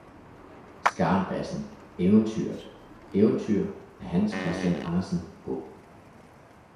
Skarnbassen eventyret eventyr af hans christian andersen h